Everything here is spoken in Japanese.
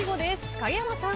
影山さん。